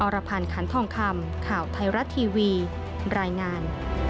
รพันธ์ขันทองคำข่าวไทยรัฐทีวีรายงาน